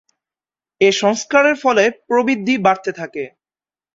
এই সংস্কারের ফলে প্রবৃদ্ধি বাড়তে থাকে।